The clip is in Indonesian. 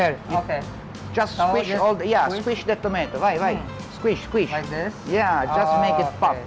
ya hanya untuk membuatnya terbaik